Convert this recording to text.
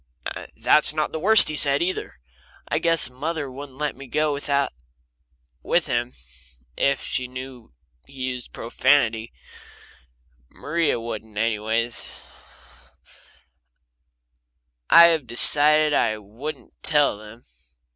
That's not the worst he said, either. I guess mother wouldn't let me go out with him if she knew he used profanity Maria wouldn't, anyway. I have decided I won't tell them.